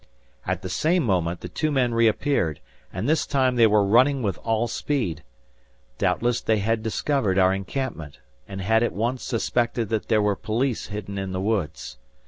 At the same moment, the two men reappeared, and this time they were running with all speed. Doubtless they had discovered our encampment, and had at once suspected that there were police hidden in the woods.